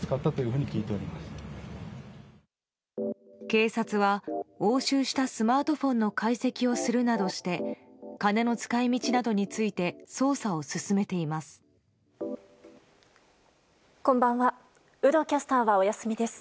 警察は押収したスマートフォンの解析をするなどして金の使い道などについて捜査を進めています。